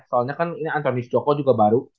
soalnya kan ini anthony sujoko juga baru